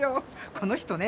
この人ね